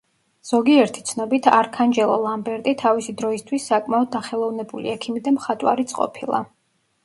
ზოგიერთი ცნობით, არქანჯელო ლამბერტი თავისი დროისთვის საკმაოდ დახელოვნებული ექიმი და მხატვარიც ყოფილა.